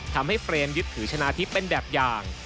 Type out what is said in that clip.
เฟรมยึดถือชนะทิพย์เป็นแบบอย่าง